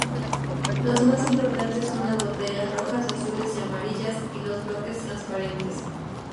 Los más importantes son las botellas rojas, azules y amarillas y los bloques transparentes.